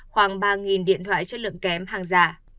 khoảng ba điện thoại chất lượng kém hàng giả